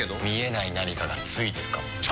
見えない何かがついてるかも。